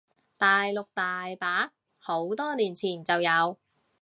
大陸大把，好多年前就有